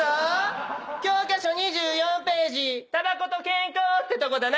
教科書２４ページたばこと健康ってとこだな。